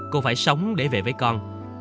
cô phải sống để về với con